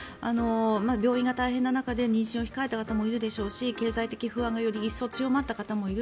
病院が大変な中で妊娠を控えた方もいるでしょうし経済的不安がより一層強まった方もいる。